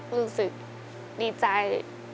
รู้สึกนิจจัย